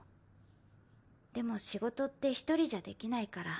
でも仕事って一人じゃできないから。